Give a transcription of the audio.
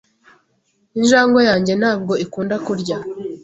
Injangwe yanjye ntabwo ikunda kurya.